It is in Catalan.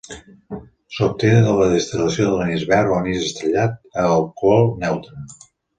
S'obté de la destil·lació de l'anís verd o anís estrellat a alcohol neutre.